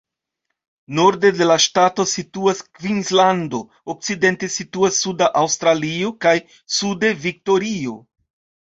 Norde de la ŝtato situas Kvinslando, okcidente situas Suda Aŭstralio, kaj sude Viktorio.